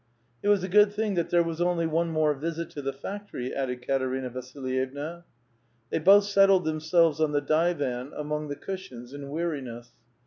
451 "It was a good thing that there was only one more visit to the factory," added Katcrina Vasilyevna. They both settled themselves on the divan among the cushions, in weariness.